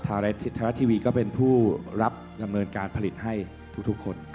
ไทยรัฐทีวีก็เป็นผู้รับดำเนินการผลิตให้ทุกคน